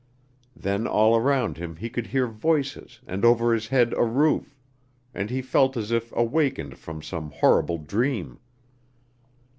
Then all around him he could hear voices and over his head a roof, and he felt as if awakened from some horrible dream.